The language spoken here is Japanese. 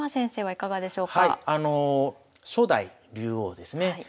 初代竜王ですね。